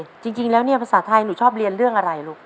จริงแล้วเนี่ยภาษาไทยหนูชอบเรียนเรื่องอะไรลูก